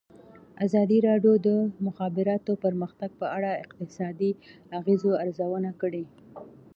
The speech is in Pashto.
ازادي راډیو د د مخابراتو پرمختګ په اړه د اقتصادي اغېزو ارزونه کړې.